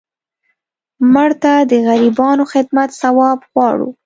مړه ته د غریبانو خدمت ثواب غواړو